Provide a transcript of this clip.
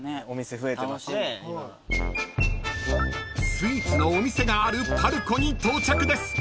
［スイーツのお店があるパルコに到着です］